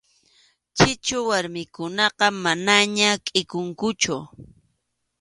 Chichu warmikunaqa manaña kʼikunkuchu.